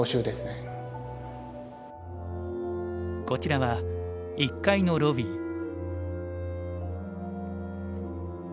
こちらは１階のロビー。